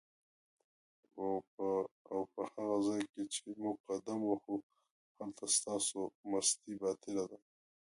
اوپه هغه ځای کی چی موږ قدم وهو هلته ستاسو مستی باطیله ده